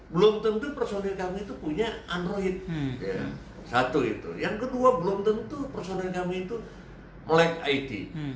belum tentu personil kami itu punya android satu itu yang kedua belum tentu personil kami itu lag it